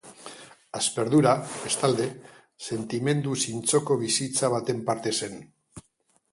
Asperdura, bestalde, sentimendu zintzoko bizitza baten parte zen.